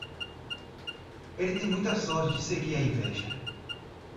Ela tem muita sorte de seguir a inveja.